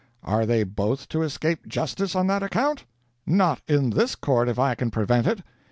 Are they both to escape justice on that account? Not in this court, if I can prevent it.